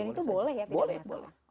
itu boleh ya